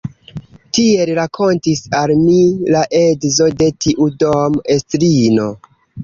Tiel rakontis al mi la edzo de tiu dom-estrino.